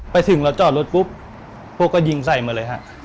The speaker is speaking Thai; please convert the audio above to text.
ไปถึงเราจอดรถปุ๊บพวกก็ยิงใส่มาเลยฮะ